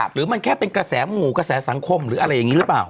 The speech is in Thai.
หรือมันแค่เป็นกระแสหมู่กระแสสังคมหรืออะไรอย่างนี้หรือเปล่า